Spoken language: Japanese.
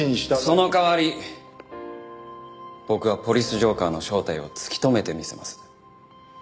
その代わり僕は「ポリス浄化ぁ」の正体を突き止めてみせます。